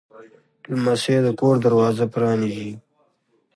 لمسی د کور دروازه پرانیزي.